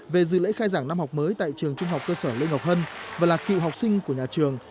về dự lễ khai giảng năm học mới tại trường trung học cơ sở lê ngọc hân và là cựu học sinh của nhà trường